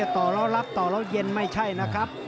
ต่อเรารับต่อไม่ใช่นะครับ